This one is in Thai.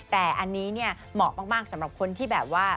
แต่อันนี้เนี่ยเหมาะมากสำหรับคนที่แบบว่า